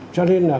cho nên là